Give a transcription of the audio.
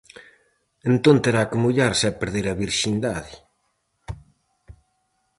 Entón terá que mollarse e perder a virxindade.